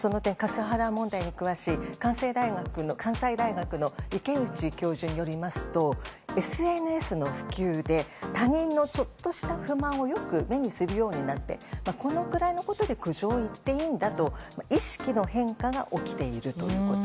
その点、カスハラ問題に詳しい関西大学の池内教授によりますとＳＮＳの普及で他人のちょっとした不満をよく目にするようになってこのくらいのことで苦情を言っていいんだと意識の変化が起きているということ。